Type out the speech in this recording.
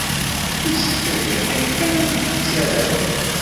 Yessefk ad yeqqim kan ad yettarem.